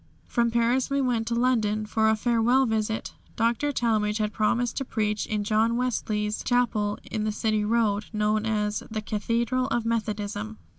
From Paris we went to London for a farewell visit. Dr. Talmage had promised to preach in John Wesley's chapel in the City Road, known as "The Cathedral of Methodism."